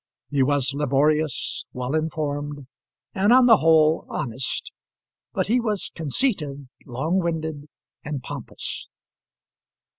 He was laborious, well informed, and, on the whole, honest; but he was conceited, long winded, and pompous.